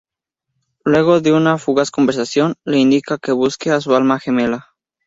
Luego de una fugaz conversación, le indica que busque a su alma gemela.